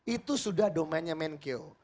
itu sudah domennya menko